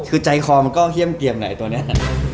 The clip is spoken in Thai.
คือใจคอมันก็เฮี่ยมเกียมแหละตัวนี้